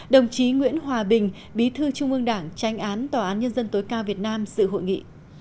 đồng chí nguyễn hòa bình bí thư trung ương đảng tranh án tòa án nhân dân tối cao việt nam sự hội nghị